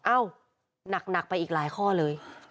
หนักไปอีกหลายข้อเลย